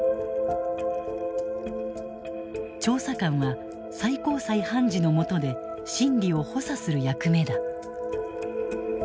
調査官は最高裁判事のもとで審理を補佐する役目だ。